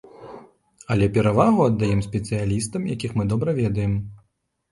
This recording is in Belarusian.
Але перавагу аддаём спецыялістам, якіх мы добра ведаем.